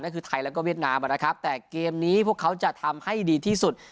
ก็คือไทยแล้วก็เวียดนามนะครับแต่เกมนี้พวกเขาจะทำให้ดีที่สุด